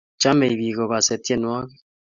Chamei piik kokase tyenwogik